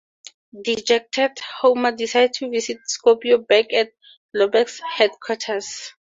Dejected, Homer decides to visit Scorpio back at Globex Headquarters.